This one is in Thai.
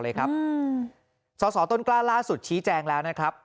สอสอต้นกล้าล่าสุดชี้แจงแล้วนะครับ